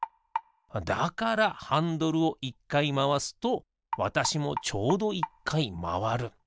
だからハンドルを１かいまわすとわたしもちょうど１かいまわる。